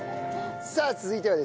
さあ続いてはですね